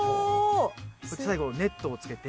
そして最後ネットをつけて。